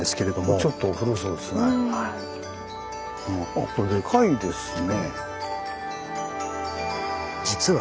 あこれでかいですね。